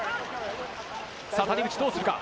谷口、どうするか？